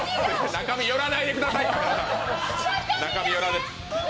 中身、寄らないでください！